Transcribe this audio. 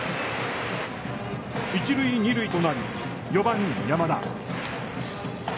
一塁二塁となり、４番山田。